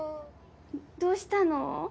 どうしたの？